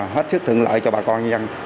hết sức thượng lợi cho bà con dân